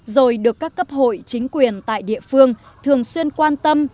rồi được các cấp hội chính quyền tại địa phương thường xuyên quan tâm